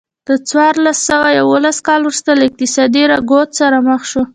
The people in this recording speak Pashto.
له څلور سوه یوولس کاله وروسته له اقتصادي رکود سره مخ شوه.